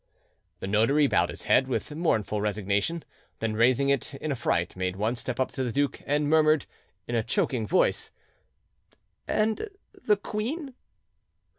The notary bowed his head with mournful resignation; then raising it in affright, made one step up to the duke and murmured in a choking voice— "And the queen?"